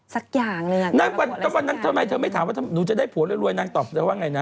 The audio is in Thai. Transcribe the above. สักอย่างเลยอ่ะตอนนั้นทำไมเธอไม่ถามว่าถ้าหนูจะได้ผัวเรียกรวยนางตอบเธอว่าไงนะ